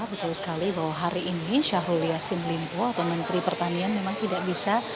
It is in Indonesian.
betul sekali bahwa hari ini syahrul yassin limpo atau menteri pertanian memang tidak bisa